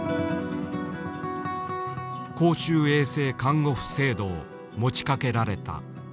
公衆衛生看護婦制度を持ちかけられた。